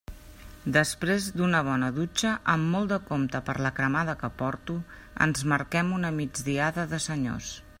Després d'una bona dutxa, amb molt de compte per la cremada que porto, ens marquem una migdiada de senyors.